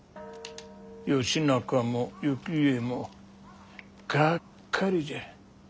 義仲も行家もがっかりじゃ。